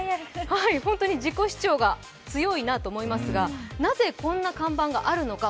本当に自己主張が強いなと思いますがなぜ、こんな看板があるのか。